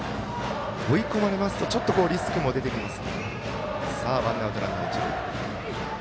追い込まれますとリスクも出てきます。